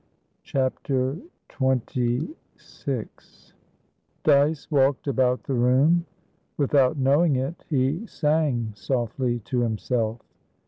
CHAPTER XXVI Dyce walked about the room. Without knowing it, he sang softly to himself.